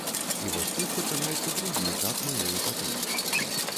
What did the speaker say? І вось тут пачынаецца другі этап маёй эпапеі.